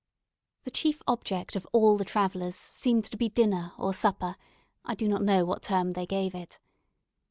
The chief object of all the travellers seemed to be dinner or supper; I do not know what term they gave it.